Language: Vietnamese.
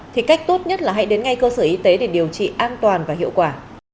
thì cách tốt nhất là hãy đến ngay cơ sở y tế để điều trị an toàn và hiệu quả